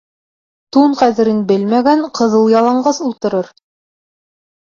Тун ҡәҙерен белмәгән ҡыҙыл яланғас ултырыр.